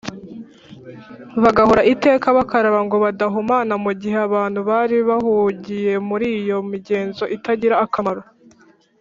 bagahora iteka bakaraba ngo badahumana mu gihe abantu bari bahugiye muri iyo migenzo itagira akamaro,